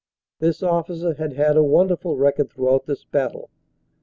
This officer had had a wonderful record throughout this battle.